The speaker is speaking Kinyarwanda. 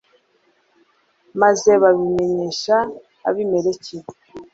maze babimenyesha abimeleki